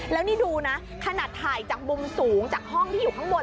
แล้วนี่ดูนะขนาดถ่ายจากมุมสูงจากห้องที่อยู่ข้างบน